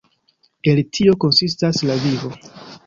El tio konsistas la vivo.